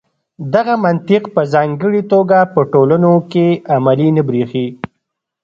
دغه منطق په ځانګړې توګه په ټولنو کې عملي نه برېښي.